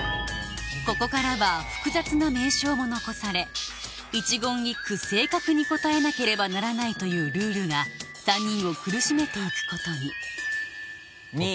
ここからは複雑な名称も残され一言一句正確に答えなければならないというルールが３人を苦しめていくことに２位。